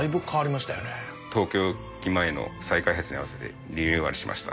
東京駅前の再開発に合わせてリニューアルしました。